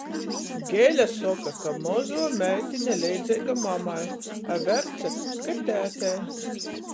Gele soka, ka mozuo meitine leidzeiga mamai, a Verce — ka tētei.